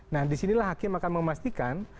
nah di sinilah hakim akan memastikan